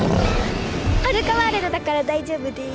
ハルカワールドだから大丈夫です。